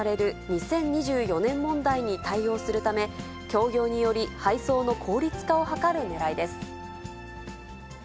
２０２４年問題に対応するため、協業により配送の効率化を図るねらいです。